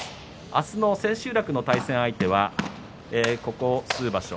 明日の千秋楽の対戦相手はここ数場所